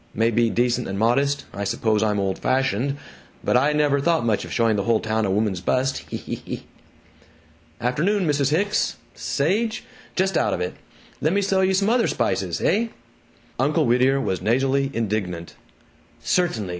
May be decent and modest I suppose I'm old fashioned but I never thought much of showing the whole town a woman's bust! Hee, hee, hee! ... Afternoon, Mrs. Hicks. Sage? Just out of it. Lemme sell you some other spices. Heh?" Uncle Whittier was nasally indignant "CERTAINLY!